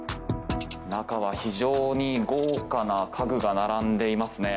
中は非常に豪華な家具が並んでいますね。